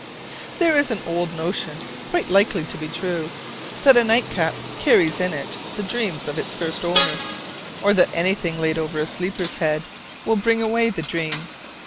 There is an old notion, quite likely to be true, that a nightcap carries in it the dreams of its first owner, or that anything laid over a sleeper's head will bring away the dream.